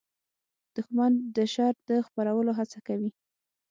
دښمن د شر د خپرولو هڅه کوي